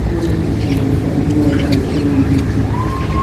মনে আছে ঐসময় আমার খাদের কিনারে দাঁড়িয়ে থাকার অনুভূতি হচ্ছিলো।